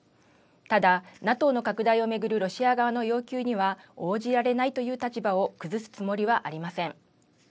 ただＮＡＴＯの拡大を巡るロシア側の要求には応じられないという立場を崩すつもりはありません。